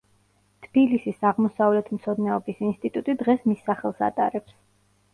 თბილისის აღმოსავლეთმცოდნეობის ინსტიტუტი დღეს მის სახელს ატარებს.